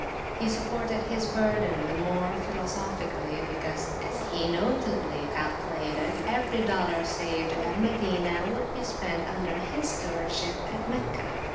He supported his burden the more philosophically, because, as he notably calculated, every dollar saved at Al Madinah would be spent under his stewardship at Meccah.